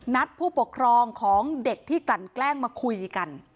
ผู้ปกครองของเด็กที่กลั่นแกล้งมาคุยกัน